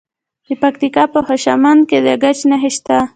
د پکتیکا په خوشامند کې د ګچ نښې شته.